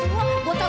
iya mah aja lu